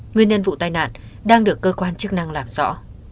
nguyên nhân vụ tai nạn đang được cơ quan chức năng làm rõ